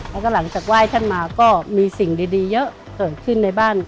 แล้วก็หลังจากไหว้ท่านมาก็มีสิ่งดีเยอะเกิดขึ้นในบ้าน